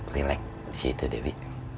relax disitu dewi